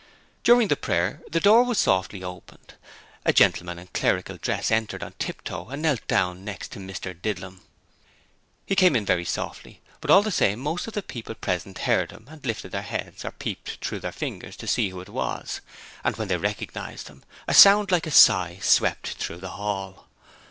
During the prayer the door was softly opened: a gentleman in clerical dress entered on tiptoe and knelt down next to Mr Didlum. He came in very softly, but all the same most of those present heard him and lifted their heads or peeped through their fingers to see who it was, and when they recognized him a sound like a sigh swept through the hall.